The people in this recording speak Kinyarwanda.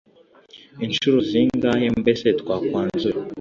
incuro zingahe mbese twakwanzura